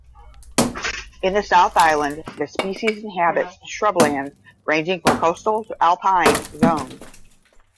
In the South Island this species inhabits shrublands ranging from coastal to alpine zones.